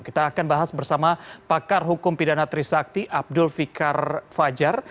kita akan bahas bersama pakar hukum pidana trisakti abdul fikar fajar